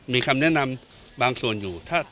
มีคำแนะนำบางส่วนอยู่